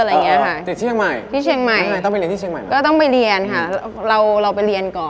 อเรนนี่ใช่ชอบคอมพิวเตอร์อะไรอย่างนี้ค่ะ